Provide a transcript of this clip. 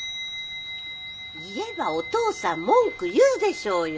言えばお父さん文句言うでしょうよ。